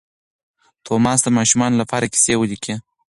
توماس د ماشومانو لپاره کیسې ولیکلې.